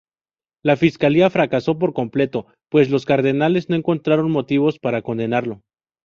La fiscalía fracasó por completo, pues los Cardenales no encontraron motivos para condenarlo.